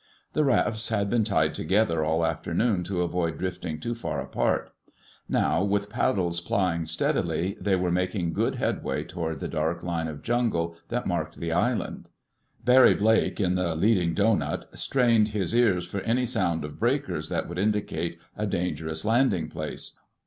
The rafts had been tied together all afternoon, to avoid drifting too far apart. Now, with paddles plying steadily, they were making good headway toward the dark line of jungle that marked the island. Barry Blake, in the leading "doughnut," strained his ears for any sound of breakers that would indicate a dangerous landing place.